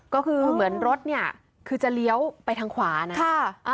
ก็คือเหมือนรถเนี่ยคือจะเลี้ยวไปทางขวานะ